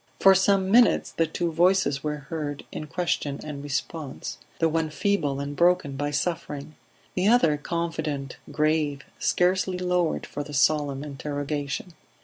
For some, minutes the two voices were heard in question and response; the one feeble and broken by suffering; the other confident, grave, scarcely lowered for the solemn interrogation.